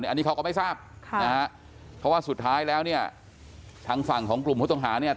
อันนี้เขาก็ไม่ทราบค่ะนะฮะเพราะว่าสุดท้ายแล้วเนี่ยทางฝั่งของกลุ่มผู้ต้องหาเนี่ย